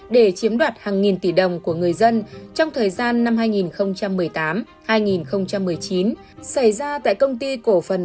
để chiếm đoạt hàng nghìn tỷ đồng của người dân trong thời gian năm hai nghìn một mươi chín